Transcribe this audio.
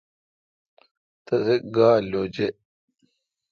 تسے گا لوجے°۔